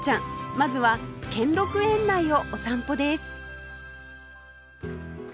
まずは兼六園内をお散歩です